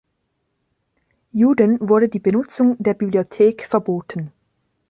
Juden wurde die Benutzung der Bibliothek verboten.